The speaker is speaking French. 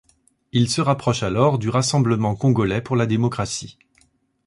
Il se rapproche alors du Rassemblement congolais pour la démocratie.